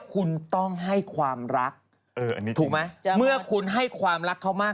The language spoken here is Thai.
ลูกก็ต้องกระตันอยู่แม่แน่นอน